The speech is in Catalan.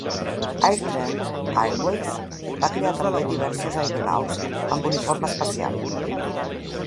AirTran Airways va crear també diverses aeronaus amb uniforme especial.